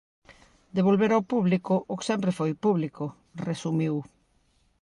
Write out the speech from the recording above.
Devolver ao público o que sempre foi público, resumiu.